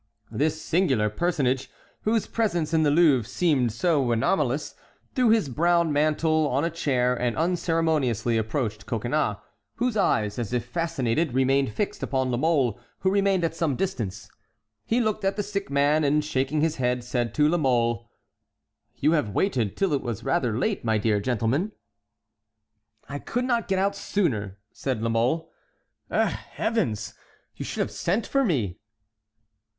This singular personage, whose presence in the Louvre seemed so anomalous, threw his brown mantle on a chair and unceremoniously approached Coconnas, whose eyes, as if fascinated, remained fixed upon La Mole, who remained at some distance. He looked at the sick man, and shaking his head, said to La Mole: "You have waited till it was rather late, my dear gentleman." "I could not get out sooner," said La Mole. "Eh! Heavens! you should have sent for me."